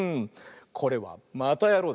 これは「またやろう！」